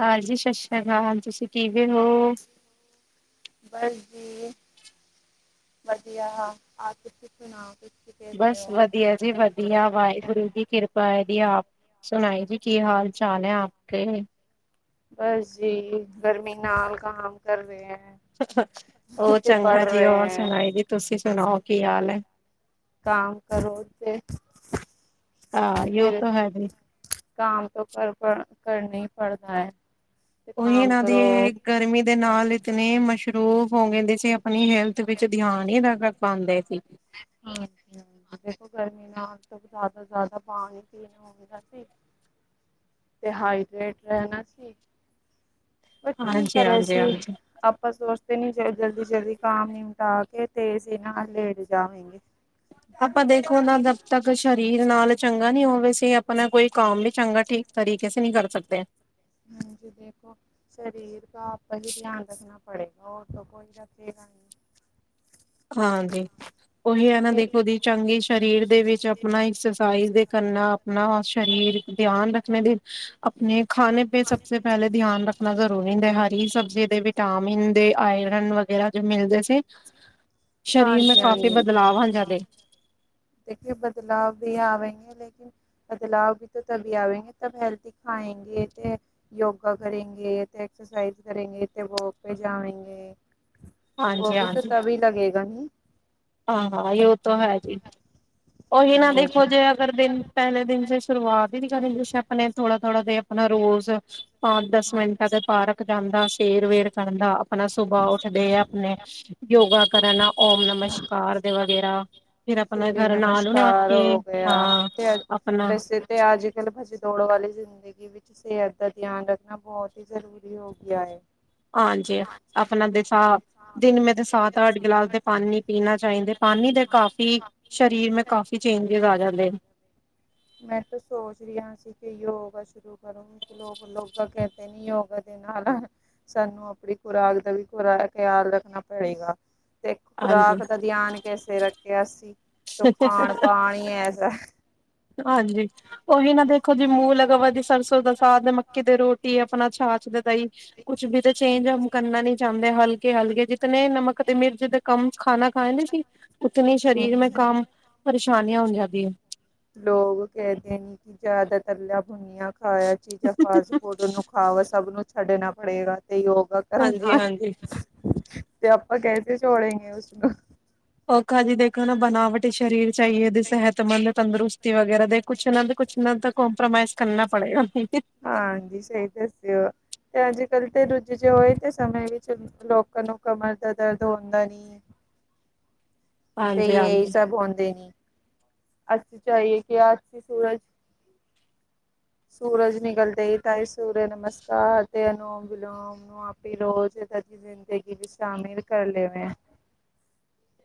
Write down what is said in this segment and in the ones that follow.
ਹਾਂਜੀ ਸਤਿ ਸ਼੍ਰੀ ਕਾਲ ਜੀ, ਸਤਿ ਸ਼੍ਰੀ ਅਕਾਲ ਤੁਸੀਂ ਕਿਵੇਂ ਹੋ? ਬਸ ਜੀ ਵਧੀਆ, ਅੱਜ ਤੁਸੀਂ ਸੁਣਾਓ ਕੁਛ? ਬਸ ਵਧੀਆ ਜੀ ਵਧੀ। ਦੀਆ ਵਾਹਿਗੁਰੂ ਜੀ ਕਿਰਪਾ ਐ, ਦੀ ਆਪ ਸੁਣਾਈ ਜੀ ਕੀ ਹਾਲ ਚਾਲ ਐ ਆਪ ਕੇ? ਬਸ ਜੀ, ਗਰਮੀ ਨਾਲ ਕਾਮ ਕਰ ਰਹੇ ਐ। ਉਹ ਚੰਗਾ ਜੀ ਹੋਰ ਸੁਣਾਈ ਦੀ ਤੁਸੀਂ ਸੁਣਾਓ ਕੀ ਹਾਲ ਹੈ? ਕਮ ਕਰੋ ਤੇ ਹਾਂ ਯੋ ਫਿਰ ਤਾਂ ਹੈ ਜੀ ਕੰਮ ਤਾਂ ਕਰ ਕਰਨਾ ਹੀ ਪੜਦਾ ਹੈ। ਉਹੀ ਇਹਨਾਂ ਦੀ ਗਰਮੀ ਦੇ ਨਾਲ ਇਤਨੀੇ ਮਸ਼ਰੂਫ ਹੋ ਗਏ ਦੇ ਸੀ। ਆਪਣੀ ਹੈਲਥ ਵਿੱਚ ਧਿਆਨ ਹੀ ਨਾ ਰੱਖ ਪਾਂਦੇ ਸੀ। ਹਾਂਜੀ ਹਾਂ। ਦੇਖੋ ਗਰਮੀ ਨਾਲ ਤੋਂ ਜ਼ਿਆਦਾ ਜ਼ਿਆਦਾ ਪਾਣੀ ਪੀਣਾ ਹੰਦਾ ਸੀ। ਤੇ ਹਾਈਟ ਰਹਿਣਾ ਸੀ ਪਰ ਕੀ ਹਾਂਜੀ ਕਰੇ ਹਾਂਜੀ ਸੀ, ਅ ਹਾਂਜੀ। ਆਪਾਂ ਸੋਚਦੇ ਨੀ ਸੀ ਜਲਦੀ ਜਲਦੀ ਕਾਮ ਨਿਮਿਟਾ ਕੇ ਤੇ ਅਸੀਂ ਨਾਲ ਲੇਟ ਜਾਵਾਂਗੇ। ਆਪਾਂ ਦੇਖੋ ਨਾ ਜਦ ਤੱਕ ਸਰੀਰ ਨਾਲ ਚੰਗਾ ਨੀ ਹੋਵੇ ਸੀ ਆਪਣਾ ਕੋਈ ਕੰਮ ਵੀ ਚੰਗਾ ਠੀਕ। ਤਰੀਕੇ ਸੇ ਨਹੀਂ ਕਰ ਸਕਦੇ। ਦੇਖੋ ਸਰੀਰ ਕਾ ਆਪੇ ਹੀ ਧਿਆਨ ਰੱਖਣਾ ਪੜੇਗਾ, ਹੋਰ ਤਾਂ ਕੋਈ ਰੱਖੇਗਾ ਨਹੀਂ। ਹਾਂਜੀ, ਉਹੀ ਹੈ ਨਾ ਦੇਖੋ ਦੀ ਚੰਗੇ ਸ਼ਰੀਰ ਦੇ ਵਿੱਚ ਅਪਣਾ ਐਕਸਰਸਾਈਜ਼ ਦੇ ਕਰਨਾ ਅਪਣਾ ਸ਼ਰੀਰ ਸਰੀਰ ਦਿਆਨ ਧਿਆਨ ਰੱਖਨਾ ਬੀ ਰੱਖਣਾ, ਆਪਣੇ ਖਾਣੇ ਪੇ ਸਭ ਤੋਂ ਪਹਿਲੇ ਧਿਆਨ ਰੱਖਣਾ ਜ਼ਰੂਰੀ ਹੁੰਦਾ, ਹਰੀ ਸਬਜ਼ੀ ਦੇ ਵਿੱਚ ਵਿਟਾਮਿਨ ਦੇ ਆਇਰਨ ਵਗੈਰਾ ਜੋ ਮਿਲਦੇ ਸੀ। ਆਟੇ ਸੇ ਸਰੀਰ ਮੇ ਕਾਫੀ ਬਦਲਾਵ ਆ ਜਾਂਦੇ। ਦੇਖੀ ਬਦਲਾਵ ਵੀ ਆਵੇ ਲੈਕੇ। ਬਦਲਾਵ ਵੀ ਤਭੀ ਆਵੇਗੇ, ਤਬ ਹੈਲਦੀ ਖਾਏਂਗੇ ਤੇ ਯੋਗਾ ਕਰੇਗੇ ਤੇ ਐਕਸਰਸਾਈਜ਼ ਕਰੇਗੇ ਤੇ ਵੋਕ ਪੇ ਜਾਵਂਗੇ। ਉਹ ਵੀ ਤਾਂ ਤਭੀ ਲੱਗੇਗਾ ਨੀ। ਹਾਂ ਹਾਂ ਜੇ ਉਹ ਤਾਂ ਹੈ ਜੀ, ਉਹੀ ਨਾ ਦੇਖੋ ਜੇ ਅਗਰ ਦਿਨ ਪਹਿਲੇ ਦਿਨ ਸੇ ਸ਼ੁਰੂਆਤ ਹੀ ਨੀ ਕਰੀ ਤੂੰ ਆਪਣੇ ਥੋੜਾ ਥੋੜਾ ਜ ਆਪਣਾ ਰੋਜ਼ ਪੰਜ ਦਸ ਮਿੰਟਾਂ ਦੇ ਪਾਰਕ ਜਾਂਦਾ, ਸੇਰ ਵੇਰ ਕਰਦਾ ਆਪਣਾ ਸੁਬਾਅ ਉੱਠਦੇ ਆ ਆਪਣੇ ਯੋਗਾ ਕਰਨ ਓਮ ਨਮਸਕਾਰ ਦੇ ਵਗੈਰਾ। ਫਿਰ ਆਪਣਾ ਘਰ ਨਾਲੂ ਨਾ ਕੇ ਹਾਂ, ਤੇ ਅੱਜ- ਆਪਣਾ ਵੈਸੇ ਤੇ ਅੱਜ ਕਲ ਭੱਜ ਦੌੜ ਵਾਲੀ ਜ਼ਿੰਦਗੀ ਵਿੱਚ ਸਿਹਤ ਦਾ ਧਿਆਨ ਰੱਖਣਾ ਬਹੁਤ ਹੀ ਜ਼ਰੂਰੀ ਹੋ ਗਿਆ ਐ। ਆਜੀ, ਆਪਣਾ [unintelligible] ਦਿਨ ਮੇ ਤੇ ਸਤ ਅੱਠ ਗਿਲਾਸ ਦੇ ਪਾਣੀ ਪੀਣਾ ਚਾਹੀਦੇ ਪਾਣੀ ਦੇ ਕਾਫੀ ਠੀਕ ਸ਼ਰੀਰ ਮੇ ਕਾਫੀ ਚੇਂਜੇਜ ਆ ਜਾਂਦੇ ਨੇ। ਮੈਂ ਤਾਂ ਸੋਚ ਰਿਹਾ ਸੀ ਕਿ ਯੋਗਾ ਸ਼ੁਰੂ ਕਰ ਲੋਕ ਲੋਕਾਂ ਕਹਿੰਦੇ ਨੇ ਯੋਗਾ ਦੇ ਨਾਲ ਸਾਨੂੰ ਆਪਣੀ ਖੁਰਾਕ ਦਾ ਵੀ ਪੂਰਾ ਖ਼ਿਆਲ ਰੱਖਣਾ ਪੜੇਗਾ। ਤੇ ਖੁਰਾਕ ਦਾ ਧਿਆਨ ਕੈਸੇ ਰੱਖੇ ਅਸੀਂ ਤੋਂ ਖਾਣ ਹਾਂਜੀ ਪਾਣ ਹੀ ਐਸ ਹਾਂਜੀ, ਉਹੀ ਨਾ ਦੇਖੋ ਜੀ ਮੂੰਹ ਲਗਵਾ ਦੀ ਸਰਸੋਂ ਦਾ ਸਾਧ ਮੱਕੀ ਤੇ ਰੋਟੀ ਆਪਣਾ ਛਾਛ ਤੇ ਦਾਈ। ਕੁਛ ਵੀ ਤਾਂ ਚੇਂਜ ਕਰਨਾ ਨੀ ਚਾਹੁੰਦੇ ਹਲਕੇ ਹਲ ਗਏ ਜਿਤਨ ਨਮਕ ਤੇ ਮਿਰਜ਼ ਦੇ ਕੰਮ ਖਾਣਾ ਖਾਏ ਦੇ ਸੀ। ਉਤਨੀ ਸ਼ਰੀਰ ਮੈਂ ਕਮ ਪਰੇਸ਼ਾਨੀਆਂ ਹੋ ਜਾਂਦੀ ਆ। ਲੋਕ ਕਹਿੰਦੇ ਨੇ ਕਿ ਜ਼ਿਆਦਾ ਤਲਿਆ ਭੁੰਨੀਆਂ ਖਾਇਆ ਚੀਜ਼ਾਂ ਫਾਸਟ ਹੈ ਫੂਡ ਨੂੰ ਖਾਵ ਸਭ ਨੂੰ ਛੱਡਣਾ ਪੜੇਗਾ ਤੇ ਯੋਗਾ ਹਾਂਜੀ ਕਰਨਾ। ਹਾਂਜੀ ਤੇ ਆਪਾਂ ਕੈਸੇ ਛੋੜੇਗੇ ਉਸਨੂੰ। ਔਖਾ ਜੀ ਦੇਖੋ ਨਾ ਬਣਾਵਟ ਸਰੀਰ ਚਾਹੀਏ ਦੀ ਸਿਹਤਮੰਦ ਤੰਦਰੁਸਤੀ ਵਗੈਰਾ ਦੇ ਕੁਛ ਇਹਨਾਂ ਦੇ ਕੁਛ ਇਹਨਾਂ ਤ ਕਮਪਰੋਮਾਈਜ਼ ਕਰਨਾ ਪੜੇਗਾ। ਹਾਂਜੀ ਸਹੀ ਦੱਸਿਓ। ਤੇ ਅੱਜ ਕੱਲ੍ਹ ਤੇ ਰੁੱਝ ਜੀ ਹੋਏ ਤੇ ਸਮੇਂ ਵਿੱਚ ਲੋਕਾਂ ਨੂੰ ਕਮਰ ਦਾ ਦਰਦ ਹੁੰਦਾ ਨੀ ਹੈ। ਤੇ ਹਾਂਜੀ ਇਹੀ ਹਾਂਜੀ ਸਭ ਹੁੰਦੇ ਨੀ ਅਸੀਂ ਚਹੀਏ ਕਿ ਅਸੀਂ ਸੂਰਜ, ਸੂਰਜ ਨਿਕਲਦੇ ਹੀ ਤਾਈ ਸੂਰਯ ਨਮਸਕਾਰ ਤੇ ਅਨੋਮ ਵਿਲੋਮ। ਨੂੰ ਆਪੇ ਰੋਜ਼ ਇਦਾਂ ਦੀ ਜ਼ਿੰਦਗੀ ਵਿੱਚ ਸ਼ਾਮਿਲ ਕਰ ਲਵੇ।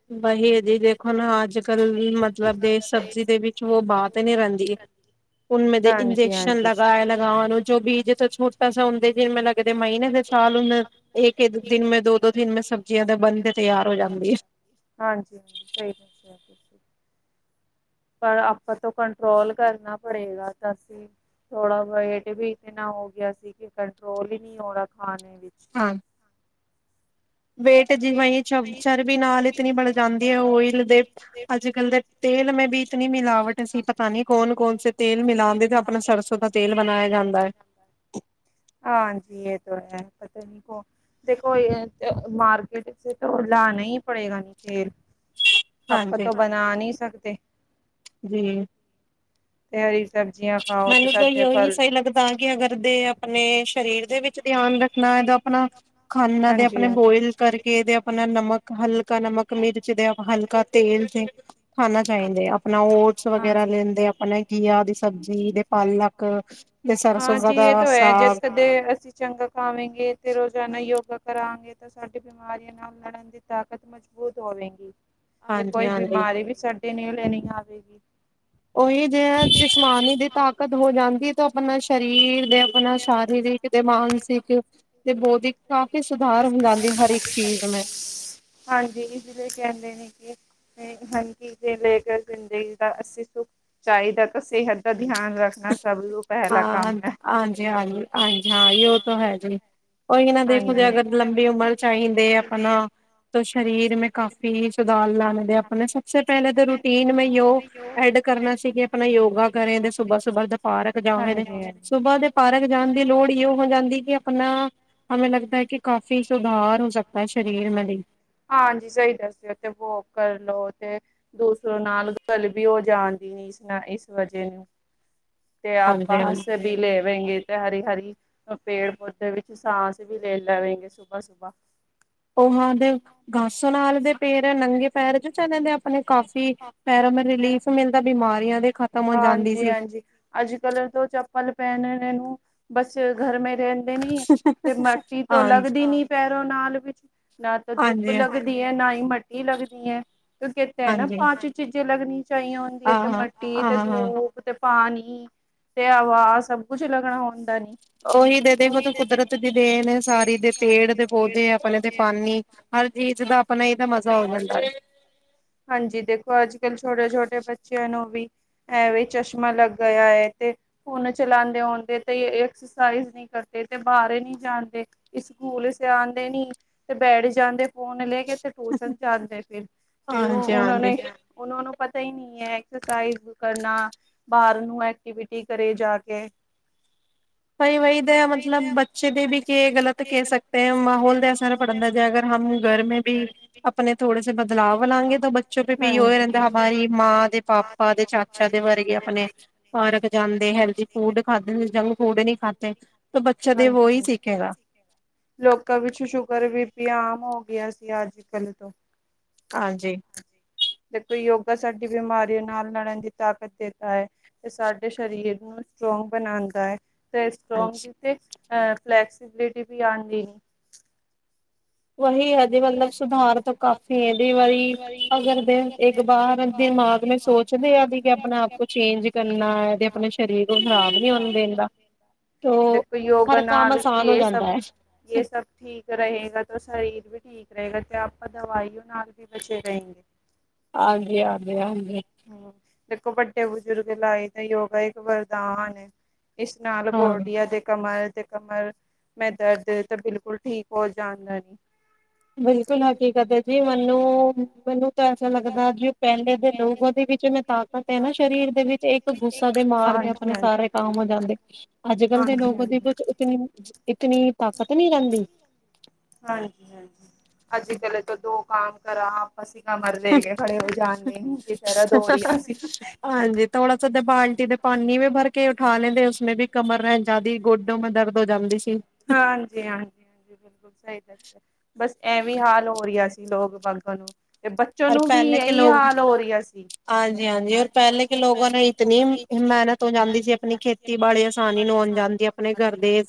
[inaudible] ਜੀ ਦੇਖੋ ਨਾ ਅੱਜ ਕੱਲ ਮਤਲਬ ਦੇ ਸਬਜ਼ੀ ਦੇ ਵਿੱਚ ਉਹ ਬਾਤ ਨੀ ਰਹਿੰਦੀ। ਉਮੇ ਦੇ ਹੁਣ ਇੰਜੈਕਸ਼ਨ ਲਗਾਏ ਲਗਾ ਨੂੰ ਜੋ ਵੀ ਛਟ ਛੋਟ ਤੇ ਪੈਸ ਹੁੰਦੇ ਜਿ ਮੈਨ ਲੱਗਦੇ ਮਹੀਨੇ ਦੇ ਸਾਲ ਹੁਣ ਇੱਕ ਦਿਨ ਮੈਂ ਦੋ ਦੋ ਦਿਨ ਮੈਂ ਸਬਜ਼ੀਆਂ ਦੇ ਬਣਦੇ ਤਿਆਰ ਹੋ ਜਾਂਦੀ ਆ ਹਾਂਜੀ ਹਾਂਜੀ ਸਹੀ। ਤੁਸੀਂ ਪਰ ਆਪਾਂ ਤੋਂ ਕੰਟਰੋਲ ਕਰਨਾ ਪੜੇਗਾ ਤਾਂ ਅਸੀਂ ਥੋੜਾ ਵੇਟ ਵੀ ਇਥ ਨਾਲ ਹੋ ਗਿਆ ਸੀ ਕਿ ਕੰਟਰੋਲ ਹੀ ਨਹੀਂ ਹੋਣਾ ਖਾਣੇ ਵਿੱਚ। ਹਾਂ, ਵੇਟ ਜਿਵਾ ਚ ਚਰਬੀ ਨਾਲ ਇਤਨੀ ਬਣ ਜਾਂਦੀ ਹੈ ਓਇਲ ਦੇ ਅੱਜ ਕੱਲ ਦੇ ਤੇਲ ਮੈਂ ਵੀ ਇਤਨੀ ਮਿਲਾਵਟ ਅਸੀਂ ਪਤਾ ਨੀ ਕੌਣ ਕੌਣ ਸ ਤੇਲ ਮਿਲਾਉਂਦੇ ਤੇ ਆਪਣਾ ਸਰਸੋਂ ਦਾ ਤੇਲ ਬਣਾਇਆ ਜਾਂਦਾ ਹੈ ਹਾਂਜੀ ਇਹ ਤਾਂ ਹੈ ਪਤਾ ਨੀ ਕੁ ਦੇਖੋ ਮਾਰ ੇ ਲਾਨਾ ਹੀ ਪੜੇਗਾ ਨੀ ਤੇਲ ਆਪਾਂ ਹਾਂਜੀ। ਤੋਂ ਬਣਾ ਨਹੀਂੀ ਸਕਦੇ ਜੀ ਤੇ ਹਰੀ ਸਬਜ਼ੀਆਂ ਖਾਓ ਤੇ ਮੈਨੂੰ ਤਾਂ ਤਾਜ਼ੇ ਉਹੀ ਫਲ ਸਹੀ ਲੱਗਦਾ ਕਿ ਅਗਰ ਦੇ ਆਪਣੇ ਸਰੀਰ ਦੇ ਵਿੱਚ ਧਿਆਨ ਰੱਖਣਾ ਹੈ ਤਾਂ ਆਪਣਾ ਖਾਨਾ ਦੇ ਆਪਣੇ ਬੋਇਲ ਕਰਕੇ ਇਹਦੇ ਆਪਣਾ ਨਮਕ ਹਲਕਾ ਨਮਕ ਮਿਰਚ ਦੇ ਹਲਕਾ ਤੇਲ ਤੇ ਖਾਣਾ ਚਾਹੀਦੇ ਆਪਣਾ ਓਟਸ ਵਗੈਰਾ ਲੈਂਦੇ ਆਪਣਾ ਘੀਆ ਦੀ ਸਬਜ਼ੀ ਦੇ ਪਾਲਕ ਦੇ ਸਰਸੋਆ ਦਾ ਸਾਗ ਤੇ ਅਸੀਂ ਚੰਗਾ ਖਾਵਾਂਗੇ ਤੇ ਰੋਜਾਨਾ ਯੋਗਾ ਕਰਾਾਂਗੇ ਤਾਂ ਸਾਡੀ ਬਿਮਾਰੀਆਂ ਨਾਲ ਲੜਨ ਦੀ ਤਾਕਤ ਮਜ਼ਬੂਤ ਹੋਵੇਗੀ ਤੇ ਹਾਂਜੀ ਕੋਈ ਹਾਂਜੀ ਬਿਮਾਰੀ ਵੀ ਸਾਡੀੇ ਨ ਲੈਣੀ ਆਵੇਗੀ ਉਹੀ ਜਿ ਜਿਸਮਾਨੀ ਦੀ ਤਾਕਤ ਹੋ ਜਾਂਦੀ ਆਪਣਾ ਸਰੀਰ ਦੇ ਆਪਣਾ ਸਰੀਰਿਕ ਦੇ ਮਾਨਸਿਕ ਤੇ ਬੋਧਿਕ ਕਾਫ਼ੀ ਸੁਧਾਰ ਹੋ ਜਾਂਦੀ ਹਰ ਇੱਕ ਚੀਜ਼ ਮੈਂ ਹਾਂਜੀ ਜਦੇ ਕਹਿੰਦੇ ਨੇ ਕਿ ਹਾਂਜੀ ਜੇ ਲੈ ਕਰ ਪਿੰਦੇ ਜ ਦਾ ਅੱਸੀ ਸੁੱਖ ਚਾਹੀਦਾ ਤਾਂ ਸਿਹਤ ਦਾ ਧਿਆਨ ਰੱਖਣਾ ਸਭ ਨੂੰ ਪਹਿਲਾ ਹਾਂ ਕੰਮ ਹੈ। ਹ ਹਾਂਜੀ ਹਾਂਜੀ ਹਾਂਜੀ ਹਾਂ ਉਹ ਤਾਂ ਹੈ ਜੀ ਉਹੀ ਕ ਨਾ ਦੇਖੋ ਜ ਅਗਰ ਲੰਬੀ ਉਮਰ ਚ ਆਈਦੇ ਆਪਣਾ ਸ਼ਰੀਰ ਮੈਂ ਕਾਫ਼ੀ ਸੁਧਾਰ ਲਾੇ ਦੇ ਆਪ ਨੇ ਸਭ ਪਹਿਲੇ ਤਾਂ ਰੂਟੀਨ ਮੈਂ ਯੋ ਐਡ ਕਰਨਾ ਸੀ ਕਿ ਆਪਣਾ ਯੋਗਾ ਕਰੇ ਤੇ ਸੁਬਾਹ ਸੁਬਾਹ ਪਾਰਕ ਜਾਵੇ ਦੇ ਹਾਂਜੀ ਹਾਂਜੀ ਸੁਬਾਹ ਦੇ ਪਾਰਕ ਜਾਣ ਦੀ ਲੋੜ ਹੀ ਹੋ ਜਾਂਦੀ ਕਿ ਆਪਣਾ ਹਮੇ ਲਗਦਾ ਹੈ ਕਿ ਕਾਫ਼ੀ ਸੁਧਾਰ ਹੋ ਸਕਦਾ ਹੈ ਸਰੀਰ ਮੇ ਵੀ ਹਾਂਜੀ ਸਹੀ ਦੱਸਦੇਥ ਵੋ ਕਰ ਲਓ ਤੇ ਦੂਸਰੋ ਨਾਲ ਗੱਲ ਵੀ ਹੋ ਜਾਣ ਦੀ ਨ ਇਸ ਨਾ ਇਸ ਵਜ੍ਹ ਨੂੰ ਤੇ ਆਪਾਂ ਹਾਂਜੀ ਹਾਂਜੀ ਹੱਸੇ ਵੀ ਲੈਵਂਗੇ ਤੇ ਹਰੀ ਹਰੀ ਪੇੜ ਪੌਧਦੇ ਵਿੱਚ ਸਾਂਸ ਵੀ ਲੈ ਲਵੇਂਗੇ ਸੁਬਾਹ ਸੁਬਾਹ ਉਹ ਹਾਂ ਦੇ ਗਸੋ ਨਾਲ ਦੇ ਪੇਰ ਨੰਗੇ ਪੈਰ ਚ ਚ ਜਾਂਦੇ ਕਾਫੀ ਪੈਰ ਮ ਰਿਲੀਫ ਮਿਲਦਾ ਬਿਮਾਰੀਆਂ ਦੇ ਖ਼ਤਮ ਹੋ ਜਾਂਦੀ ਹਾਂਜੀ ਸੀ ਹਾਂਜੀ ਅੱਜ ਕੱਲ ਤੋਂ ਚੱਪਲ ਪਹਿਨ ਨੂੰ ਬਸ ਘਰ ਮ ਰਹਿ ਨ ਤੇ ਮਟੀ ਤੋਂ ਹਾਂਜੀ, ਲੱਗਦੀ ਨੀ ਪੈਰੋਂ ਨਾਲ ਵਿੱਚ ਨਾ ਤਾਂ ਧੁੱਪ ਹਾਂਜੀ, ਲੱਗਦੀ ਹੈ ਨਾ ਹੀ ਮਟੀ ਲੱਗਦੀ ਹੈ ਕਿਉਂਕਿ ਤੇ ਹੈ ਨਾ ਹਾਂਜੀ ਪੰਜ ਚੀਜ਼ਾਂ ਲੱਗਣੀੀਆਂ ਚਾਹੀਆਂ ਹੁੰਦੀਆਂ ਤੇ ਆਹ ਮਟੀ ਤੇ ਦੋ ਆਹ ਉ ਪਾਣੀ ਤੇ ਹਵਾ ਸਬ ਕੁਝ ਲੱਗਣਾ ਹੁੰਦਾ ਨੀ ਉਹੀ ਦੇ ਦੇਖੋ ਤਾਂ ਕੁਦਰਤ ਦੀ ਦੇ ਨੇ ਸਾਰੀ ਦੇ ਪੇੜ ਦੇ ਪੌਦੇ ਆਪਣੇ ਇਹਦੇ ਪਾਾਨੀ ਹਰ ਚੀਜ਼ ਦਾ ਆਪਣਾ ਇਹ ਤਾਂ ਮਜ਼ਾ ਹੋ ਜਾਂਦਾ ਹਾਂਜੀ ਦੇਖੋ ਅੱਜ ਕੱਲ੍ਹ ਛੋਟੇ ਛੋਟੇ ਬੱਚਿਆਂ ਨੂੰ ਵੀ ਐਵੇਂ ਚਸ਼ਮਾ ਲੱਗ ਗਿਆ ਹੈ ਤੇ ਫੋਨ ਚਲਾਉਦੇ ਆਉਦੇ ਤੇ ਐਕਸਰਸਾਈਜ਼ ਨਹੀਂ ਕਰਦੇ ਤੇ ਬਾਹਰ ਨੀ ਜਾਦੇ ਸਕੂਲ ਸ ਆਉਂਦੇ ਨੀ ਤੇ ਬੈਠ ਜਾਂਦੇ ਫੋਨ ਲੈ ਕੇ ਤੇ ਟੋਸਣ ਜਾਂਦੇ ਫਿਰ ਫਰ ਉਹ ਹਾਂਜੀ, ਹਾਂਜੀ ਉਹਨਾਂ ਨੂੰ ਪਤਾ ਹੀ ਨਹੀਂ ਹੈ ਐਕਸਰਸਾਈਜ਼ ਕਰਨਾ ਬਾਹਰ ਨੂੰ ਐਕਟੀਵਿਟੀ ਕਰੇ ਜਾ ਕੇ ਭਾਈ ਵਹੀ ਦੇ ਮਤਲਬ ਬੱਚੇ ਦੇ ਵੀ ਗਲਤ ਕਹਿ ਸਕਦੇ ਹ ਮਾਹੌਲ ਦਾ ਅਸਰ ਪੜ੍ਹਨਦਾ ਜ ਅਗਰ ਹਮ ਘਰ ਮ ਵੀ ਆਪਣੇ ਥੋੜੇ ਸੇ ਬਦਲਾਵ ਲਾਂਗੇ ਤਾਂ ਬੱਚੋ ਪੇ ਵੀ ਹੀ ਰਹਿੰਦਾ ਹਮਾਰੀ ਮਾਂ ਦੇ ਪਾਪਾ ਦੇ ਚਾਚਾ ਦੇ ਵਰਗੇ ਆਪਣੇ ਪਾਰਕ ਜਾਂਦੇ ਹੈਲਦੀ ਫੂਡ ਖਾਦੇ ਜੰਕ ਫੂਡ ਨੀ ਖਾਧਦੇ ਤਾਂ ਬੱਚੇ ਦੇ ਵ ਹੀ ਸਿੱਖੇਗਾ ਲੋਕਾਂ ਵਿੱਚ ਸ਼ੂਗਰ ਵੀ ਬੀ ਆਮ ਹੋ ਗਿਆ ਸੀ ਅੱਜ ਕੱਲ ਤੋਂ ਹਾਂਜੀ, ਦੇਖੋ ਯੋਗਾ ਸਾਡੀ ਬਿਮਾਰੀ ਨਾਲ ਲੜਨ ਦੀ ਤਾਕਤ ਦੇਤਾ ਹੈ। ਤੇ ਸਾਡੇ ਸਰੀਰ ਨੂੰ ਸਟਰੋਂਗ ਬਣਾਂਦਾ ਹੈ। ਤੇ ਸਟਰੋਂਗ -ਹਾਂਜੀ। ਵੀ ਤੇ ਅ ਫਲੈਕਸੀਬਿਲਿਟੀ ਵੀ ਆਂਦੀ। ਵਹੀ ਹੈਜੀ ਮਤਲਬ ਸੁਧਾਰ ਤਾਂ ਕਾਫ਼ੀ ਹੈ [unintelligible] ਵਾਰੀ ਅਗਰ ਦੇ ਇੱਕ ਬਾਰ ਦਿਮਾਗ ਸੋਚਦੇ ਅਸੀਂ ਕਿ ਆਪਣੇ ਆਪ ਕੋ ਚੇਂਜ ਕਰਨਾ ਹੈ ਤੇ ਆਪਣੇ ਸਰੀਰ ਨੂੰ ਖ਼ਰਾਬ ਨੀ ਹੋ ਦਿੰਦਾ। ਤੋਂ ਦੇਖੋ ਯੋਗਾ ਹਰ ਕੰਮ ਨਾਲ ਆਸਾਨ ਹੋ ਇਹ ਸਭ ਜਾਂਦਾ। ਇਹ ਸਭ ਠੀਕ ਰਹੇਗਾ ਸਰੀਰ। ਵੀ ਠੀਕ ਰਹੇਗਾ ਤੇ ਆਪਾਂ ਦਵਾਈ ਨਾਲ ਵੀ ਬਚੇ ਰਹੇਗੇ। ਹਾਂਜੀ ਹਾਂਜੀ ਹਾਂਜੀ। ਹੂੰ, ਦੇਖੋ ਵੱਡੇ ਬਜ਼ੁਰਗ ਲਾਏ ਤਾਂ ਯੋਗਾ ਇੱਕ ਵਰਦਾਨ ਇਸ ਨਾਲ ਹਾਂ। ਗੋਡੀਆ ਦੇ ਕਮਰ ਤੇ ਕਮਰ ਮੈਂ ਦਰਦ ਤਾਂ ਬਿਲਕੁਲ ਠੀਕ ਹੋਰ ਜਾਂਦਾ। ਬਿਲਕੁਲ ਹਕੀਕਤ ਜੀ ਮੈਨੂੰ ਮੈਨੂੰ ਤਾਂ ਐਸਾ ਲੱਗਦਾ ਜੀ ਪਹਿਲੇ ਦੇ ਲੋਕ ਉਹਦੇ ਵਿੱਚ ਮੈਂ ਤਾਕ ਤੇ ਨਾ ਸਰੀਰ ਦੇ ਵਿੱਚ ਇੱਕ ਗੁੱਸਾ ਦੇ ਮਾਰਦੇ ਆਪਣੇ ਸਾਰੇ ਕਾਮ ਹੋ ਜਾਂਦੇ ਅੱਜ ਕੱਲ੍ਹ ਦੇ ਹਾਂਜੀ ਲੋਕ ਹਾਂਜੀ ਉਹਦੇ ਕੁੱਛ, ਇਤ ਇਤਨੀ ਤਾਕਤ ਨੀ ਰਹਿੰਦੀ। ਹਾਂਜੀ ਹਾਂਜੀ ਅੱਜ ਕਲੇ ਤੋਂ ਦੋ ਕਾਮ ਕਰਾ ਅੱਸੀਂ ਕਮਰ ਲੈ ਕੇ ਖੜੇ ਹੋ ਜਾਂਦੇ [unintelligible] ਥੋੜ੍ਹਾ ਸਦੇ ਬਾਲਟੀ ਦੇ ਪਾਣੀ ਵੀ ਭਰ ਕੇ ਉਠਾ ਲੈਂਦੇ ਉਸਨੇ ਵੀ ਕਮਰ ਰਹਿ ਜਾਂਦੀ ਗੋਡੋ ਮੈਂ ਦਰਦ ਹੋ ਜਾਂਦੀ ਸੀ। ਹਾਂਜੀ ਹਾਂਜੀ ਹਾਂਜੀ। ਬਿਲਕੁਲ ਸਹੀ ਬਸ ਐਵੇਂ ਹਾਲ ਹੋ ਰਿਹਾ ਸੀ ਲੋਕ ਵਗਾਂ ਨੂੰ ਤੇ ਬੱਚੇ, ਚਲੂੰ ਵੀ ਇਹੀ ਹਾਲ ਹੋ ਰਿਹਾ ਸੀ। ਹਾਂਜੀ ਹਾਂਜੀ ਔਰ ਪਹਿਲੇ ਕਿ ਲੋਕਾਂ ਨੇ ਇਤਨੀ ਮਿਹਨਤ ਤੋਂ ਜਾਂਦੀ ਸੀ ਆਪਣੀ ਖੇਤੀ ਖੇਤੀਬਾੜੀ ਆਸਾਨੀ ਨੂੰ ਹੁਣ ਜਾਂਦੀ ਆਪਣੇ ਘਰ ਦੇ,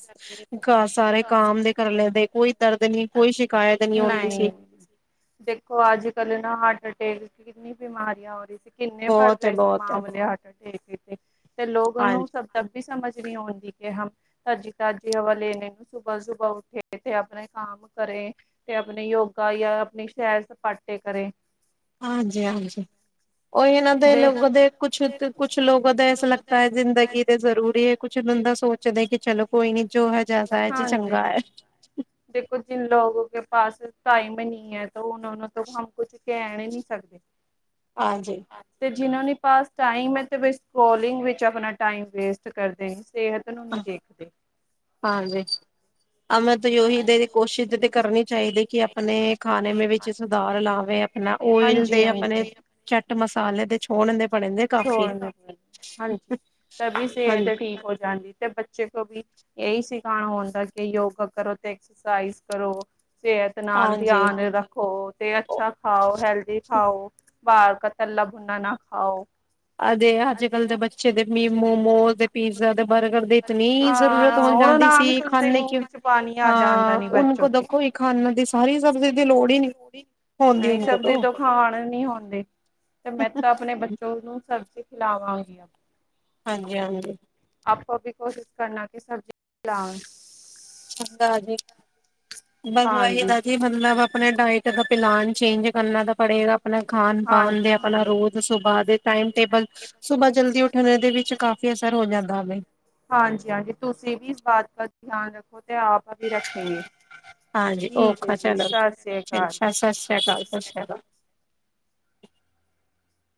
ਸਾਰੇ ਘਰ ਕਮ ਦੇ ਕਰ ਲੈਂਦੇ ਕੋਈ ਦਰਦ ਨੀ ਕੋਈ ਸ਼ਿਕਾਇਤ ਨੀ ਹੁੰਦੀ ਸੀ। ਦੇਖੋ ਅੱਜ ਕੱਲ ਨਾ ਹਾਰਟ ਅਟੈਕ ਕਿੰਨੀ ਬਿਮਾਰੀਆਂ ਹੋ ਰਹੀ ਸੀ। ਕਿੰਨੇ ਪੜ ਬਹੁਤ ਹੈ ਰਹੇ ਸੀ ਬਹੁਤ ਹੈ ਮਾਂ ਵੇਲੇ ਹੱਟ ਟੇਕ ਤੇ ਲੋਕਲ ਨੂੰ। ਹਾਂਜੀ ਵੀ ਸਮਝ ਨਹੀਂ ਆਉਂਦੀ ਕਿ ਹਮ, ਤਾਜ਼ੀ- ਤਾਜ਼ੀ ਹਵਾ ਲੇ। [unintelligible] ਸੁਬਾਹ- ਸੁਬਹ ਉੱਠੇ ਤੇ ਆਪਣੇ ਕੰਮ ਕਰੇ। ਤੇ ਆਪਣੀ ਯੋਗਾ ਜਾਂ ਆਪਣੀ ਸੈਰ ਸਪਾਟੇ ਕਰੇ। ਹਾਂਜੀ- ਹਾਂਜੀ। ਉਹ ਇਹਨਾਂ ਦੇ ਲੋਕ ਦੇ ਕੁਛ ਤੇ ਕੁਛ ਲੋਕਾਂ ਦਾ ਐਸਾ ਲੱਗਦਾ ਹੈ, ਜ਼ਿੰਦਗੀ ਦੇ ਜ਼ਰੂਰੀ ਹੈ ਕੁਛ ਬੰਦਾ ਸੋਚ ਕਿ ਚਲੋ ਕੋਈ ਨੀ ਜੋ ਹੈ, ਜੈਸਾ ਹੈ, ਜੀ ਚੰਗਾ ਹੈ। ਦੇਖੋ ਜਿੰਨ ਲੋਕੋ ਕੇ ਪਾਸ ਟਾਈਮ ਨਹੀਂ ਹੈ ਤਾਂ ਉਹ ਨੂੰ ਤੋਂ ਹਮ ਕੁਝ। ਕੈਨ ਹੀ ਨਹੀਂ ਸਕਦੇ। ਹਾਂਜੀ। ਤੇ ਜਿਨਾ ਪਾਸ ਟਾਈਮ ਹੈ ਤੇ ਸਕਰੋਲਿੰਗ ਵਿਚ ਆਪਣਾ ਟਾਇਮ ਵੇਸਟ ਕਰਦੇ। ਸੇਹਤ ਨੂੰ ਨਹੀਂ ਦੇਖਦੇ। ਹਾਂਜੀ। ਅ ਮੈਂ ਤਾਂ ਉਹੀ ਦੇ ਕੋਸ਼ਿਸ਼ ਤੇ ਕਰਨੀ ਚਾਹੀਦੀ ਕਿ ਆਪਣੇ ਖਾਣੇ ਵਿੱਚ। ਸੁਧਾਰ ਲਾਵੇ। ਹਨਾ ਓਇਲ ਹਾਂਜੀ ਦੇ ਆਪਣੇ ਹਾਂਜੀ ਚੱਟ ਮਸਾਲੇ ਦੇ ਛੋਹਣ ਦੇ ਬਣਦੇ ਕਾਫੀ। ਹਾਂਜੀ ਤਵੀ ਹਾਂਜੀ। ਸਿਹਤ ਠੀਕ ਹੋ ਜਾਂਦੀ ਤੇ ਬੱਚੇ। ਕਿਉਂਕਿ ਇਹੀ ਸਿਖਾਣਾ ਹੁੰਦਾ ਕਿ ਯੋਗਾ ਕਰੋ ਤੇ ਐਕਸਰਸਾਈਜ਼ ਕਰੋ। ਸਿਹਤ ਨਾਲ ਹਾਂਜੀ। ਧਿਆਨ ਰੱਖੋ। ਤੇ ਅੱਛਾ ਖਾਓ ਹੈਲਦੀ ਖਾਓ ਵਾਰ ਤੱਲਾ ਭੁਣਾ ਨਾ ਖਾਓ। ਆ ਦੇਖ ਅੱਜ ਕੱਲ੍ਹ ਦੇ ਬੱਚੇ ਦੇ ਵੀ ਮੋਮੋ ਤੇ ਪੀਜ਼ਾ ਤੇ ਬਰਗਰ ਦੀ ਇਤਨੀ ਜ਼ਰੂਰਤ। ਹਾਂ ਤੋਂ ਹੁਣ ਜਾਂਦੀ ਸੀ ਨਾਮ ਸੁਣਤੇ ਹੀ ਖਾਨੇ ਮੂੰਹ ਕਿਉਂ ਵਿੱਚ ਪਾਣੀ ਆ ਜਾਂਦਾ ਹਾਂ ਨੀ ਉਨ ਬੱਚੋ ਕੋ ਕੇ ਦੇਖੋ ਇਹ ਖਾਨ ਦੀ। ਸਾਰੀ ਸਬਜ਼ੀ ਦੀ ਲੋੜ ਹੀ ਨੀ। ਨਹੀਂ ਸਬਜ਼ੀ ਤੋਂ ਖਾਣ ਨੀ ਹੁੰਦੀ ਤੇ ਮੈਂ ਤਾਂ ਆਪਨੇ ਬ ਜੋ ਉਹਨੂੰ ਸਬਜ਼ੀ ਖਿਲਾਵਾਂਗੀ ਆ। ਹਾਂਜੀ- ਹਾਂਜੀ। ਆਪੋ ਵੀ ਕੋਸ਼ਿਸ਼ ਕਰਨਾ ਕਿ ਸਬਜ਼ੀ ਚੰਗਾ ਜੀ ਹਾਂਜੀ [unintelligible] ਜੇ ਮਤਲਬ ਆਪਣੇ ਡਾਇਟ ਦਾ ਪਲਾਨ ਚੇਂਜ ਕਰਨਾ ਤਾਂ ਪੜੇਗਾ ਅਪਨਾ ਖਾਨ- ਪਾਨ ਹਾਂਜੀ ਦੇ, ਅਪਨਾ ਹਾਂਜੀ ਰੋਜ਼ ਸੁਭਾ ਦੇ, ਟਾਈਮ -ਟੇਬਲ ਸੁਬਾਹ ਜਲਦੀ ਉੱਠਣ ਦੇ ਵਿੱਚ ਕਾਫ਼ੀ ਅਸਰ ਹੋ ਜਾਂਦਾ ਵੇ। ਹਾਂਜੀ- ਹਾਂਜੀ ਤੁਸੀਂ ਵੀ ਇਸ ਬਾਤ ਦਾ ਧਿਆਨ ਰੱਖੋ ਤੇ ਆਪ ਵੀ ਰੱਖੇਗੇ। ਹਾਂਜੀ ਠੀਕ ਹੈ ਔਖਾ ਜੀ ਚਲੋ ਸਤਿ ਸ੍ਰੀ ਚਲੋ ਅਕਾਲ ਜੀ ਸਤਿ ਸ਼੍ਰੀ ਅਕਾਲ ਸਤਿ ਸ਼੍ਰੀ ਅਕਾਲ।